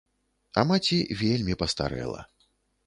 А маці вельмі пастарэла.